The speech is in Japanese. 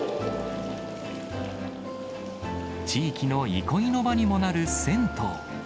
地域の憩いの場にもなる銭湯。